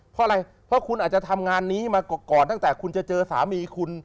เพราะอะไรเพราะคุณอาจจะทำงานนี้มาก่อนตั้งแต่คุณจะเจอสามีคุณ